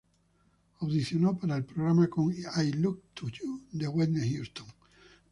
Audicionó para el programa con "I Look to You" de Whitney Houston.